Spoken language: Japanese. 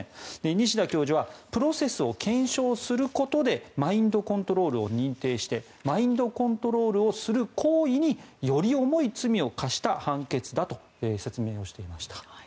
西田教授はプロセスを検証することでマインドコントロールを認定してマインドコントロールをする行為により重い罪を科した判決だと説明をしていました。